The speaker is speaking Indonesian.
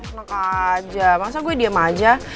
nek aja masa gue diem aja